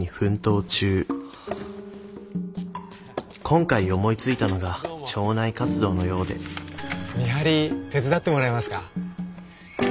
今回思いついたのが町内活動のようで見張り手伝ってもらえますか？